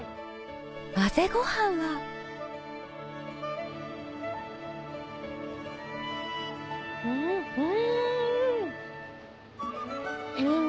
混ぜご飯はうん！